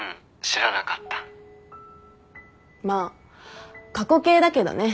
まあ過去形だけどね。